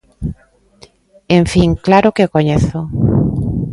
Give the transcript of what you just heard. En fin, claro que o coñezo.